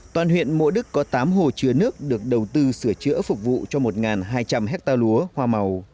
toàn huyện mộ đức có tám hồ chứa nước được đầu tư sửa chữa phục vụ cho một hai trăm linh hectare lúa hoa màu